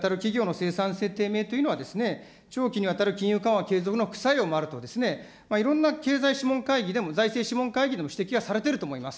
長期にわたる企業の生産性低迷というのは長期にわたる金融緩和継続の副作用等もあるといろんな経済諮問会議でも、財政諮問会議でも指摘はされていると思います。